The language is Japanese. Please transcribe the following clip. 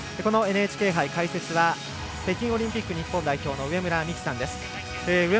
ＮＨＫ杯、解説は北京オリンピック日本代表の上村美揮さんです。